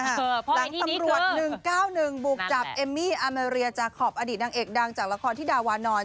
หลังตำรวจ๑๙๑บุกจับเอมมี่อาเมรียจากขอบอดีตนางเอกดังจากละครที่ดาวานอน